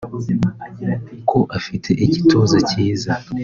ko afite igituza cyiza